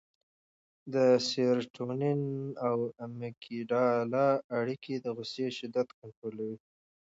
د سېرټونین او امګډالا اړیکه د غوسې شدت کنټرولوي.